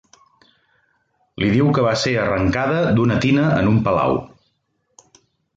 Li diu que va ser arrencada d'una tina en un palau.